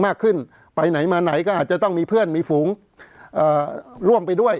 มากขึ้นไปไหนมาไหนก็อาจจะต้องมีเพื่อนมีฝูงร่วมไปด้วย